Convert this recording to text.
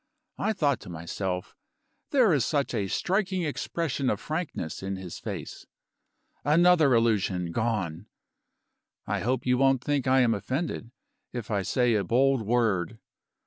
I thought to myself: There is such a striking expression of frankness in his face. Another illusion gone! I hope you won't think I am offended, if I say a bold word.